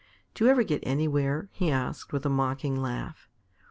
"Do you ever get anywhere?" he asked with a mocking laugh.